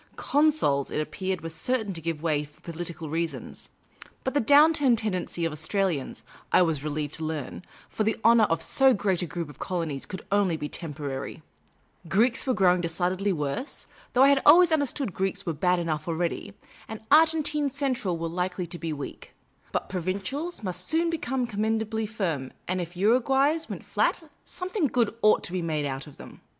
Consols, it appeared, were certain to give way for political reasons ; but the downward tendency of Australians, I was relieved to learn, for the honour of so great a group of colonies, could only be tempo rar5^ Greeks were growing decidedly worse, though I had alvvavs understood Greeks were bad enough already ; and i6o Miss Cayley's Adventures Argentine Central were likely to l)e weak ; but Provincials must soon become commendably firm, and if Uruguays went flat, something good ought to be made out of them.